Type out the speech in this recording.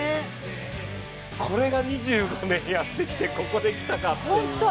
これが２５年やってきて、ここできたかと。